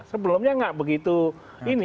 sebelumnya nggak begitu ini